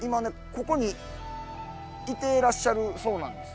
ここにいてらっしゃるそうなんです。